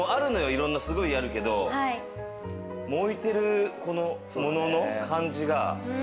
いろんなの、すごいあるけれども、置いてるこの物の感じが。